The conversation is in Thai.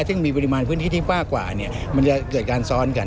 ซึ่งมีปริมาณพื้นที่ที่กว้างกว่ามันจะเกิดการซ้อนกัน